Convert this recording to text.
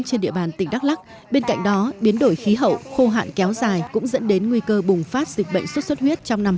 trên địa bàn tỉnh đắk lắc bên cạnh đó biến đổi khí hậu khô hạn kéo dài cũng dẫn đến nguy cơ bùng phát dịch bệnh xuất xuất huyết trong năm hai nghìn hai mươi